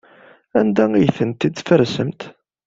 Anda ay ten-id-tfarsemt?